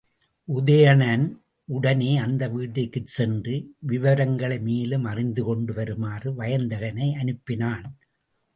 உதயணன், உடனே அந்த வீட்டிற்குச் சென்று விவரங்களை மேலும் அறிந்துகொண்டு வருமாறு வயந்தகனை அனுப்பினான்.